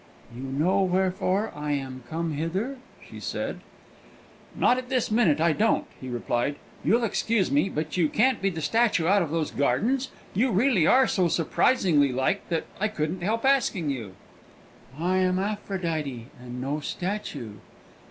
"You know wherefore I am come hither?" she said. "Not at this minute, I don't," he replied. "You'll excuse me, but you can't be the statue out of those gardens? You reelly are so surprisingly like, that I couldn't help asking you." "I am Aphrodite, and no statue.